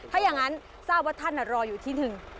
ถ้าอย่างนั้นทราบว่าท่านรออยู่ที่หนึ่ง